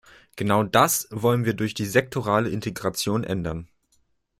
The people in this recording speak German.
Genau das wollen wir durch die sektorale Integration ändern.